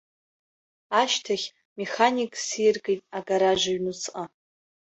Ашьҭахь, механикс сиаргеит агараж аҩныҵҟа.